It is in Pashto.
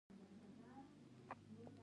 افغانستان په دریابونه باندې تکیه لري.